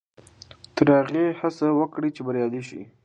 تر هغې هڅه وکړئ چې بریالي شئ.